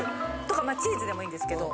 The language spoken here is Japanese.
まあチーズでもいいんですけど。